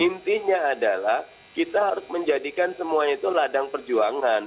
intinya adalah kita harus menjadikan semuanya itu ladang perjuangan